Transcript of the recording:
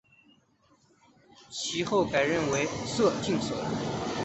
其后改任为摄津守。